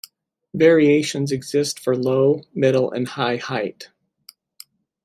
Variations exist for low, middle and high height.